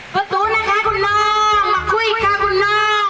ประตูนะคะคุณน้องมาคุยค่ะคุณน้อง